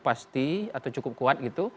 pasti atau cukup kuat